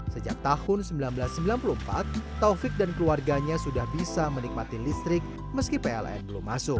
sejak tahun seribu sembilan ratus sembilan puluh empat taufik dan keluarganya sudah bisa menikmati listrik meski pln belum masuk